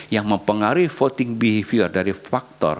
yang mempengaruhi voting behavior dari faktor